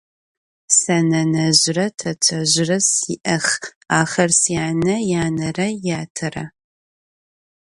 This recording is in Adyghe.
Se nenezjre tetezjre si'ex, axer syane yanere yatere.